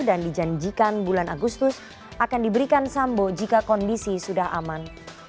dan dijanjikan bulan agustus akan diberikan sambo jika kondisi sudah aman